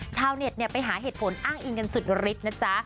ชาวเน็ตไปหาเหตุผลอ้างอิงกันสุดฤทธิ์นะจ๊ะ